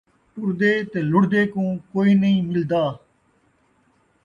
ٹردے تے لُڑھدے کوں کوئی نہیں ملدا